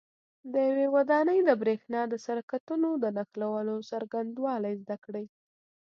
د یوې ودانۍ د برېښنا د سرکټونو د نښلولو څرنګوالي زده کړئ.